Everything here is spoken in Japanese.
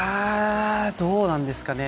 どうなんですかね。